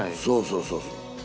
そうそうそう。